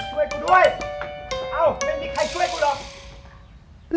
ช่วยกูด้วยเอ้าไม่มีใครช่วยกูหรอก